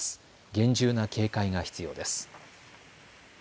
厳重な警戒が必要です。